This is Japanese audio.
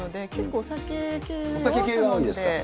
お酒系が多いですか。